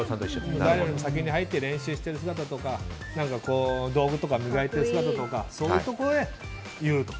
誰よりも先に入って練習をしている姿とか道具とか磨いてる姿とかそういうところで言うと。